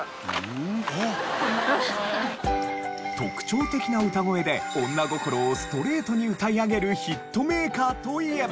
特徴的な歌声で女心をストレートに歌い上げるヒットメーカーといえば。